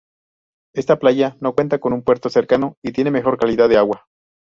Esta playa, no cuenta con un puerto cercano y tiene mejor calidad de agua.